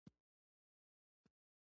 علم د اقلیتونو د حقونو دفاع کوي.